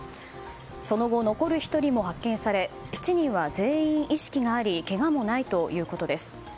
その後、残る１人も発見され７人は全員意識がありけがもないということです。